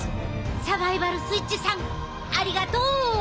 サバイバル・スイッチさんありがとう！